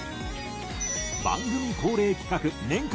番組恒例企画年間